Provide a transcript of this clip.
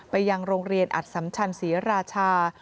ยังโรงเรียนอัดสัมชันศรีราชา